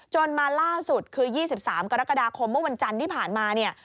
มาล่าสุดคือ๒๓กรกฎาคมเมื่อวันจันทร์ที่ผ่านมาเนี่ย